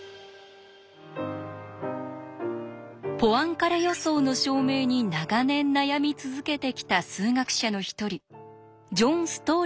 ポアンカレ予想の証明に長年悩み続けてきた数学者の一人ジョン・ストー